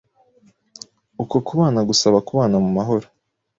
Uko kubana gusaba kubana mu mahoro;